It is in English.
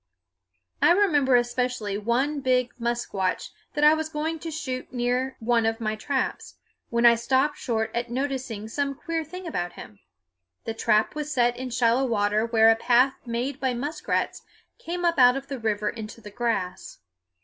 I remember especially one big musquash that I was going to shoot near one of my traps, when I stopped short at noticing some queer thing about him. The trap was set in shallow water where a path made by muskrats came up out of the river into the grass.